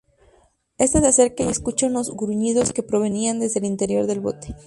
Esta se acerca y escucha unos gruñidos que provenían desde el interior del bote.